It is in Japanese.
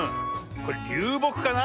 これりゅうぼくかな。